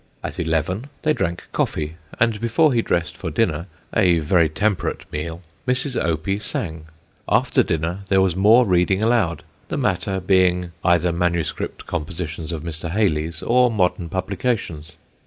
At eleven they drank coffee, and before he dressed for dinner, a very temperate meal, Mrs. Opie sang. After dinner there was more reading aloud, the matter being either manuscript compositions of Mr. Hayley's, or modern publications.